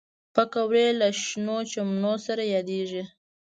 پکورې له شنو چمنو سره یادېږي